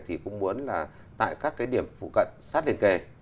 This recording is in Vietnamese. thì cũng muốn là tại các cái điểm phụ cận sát liền kề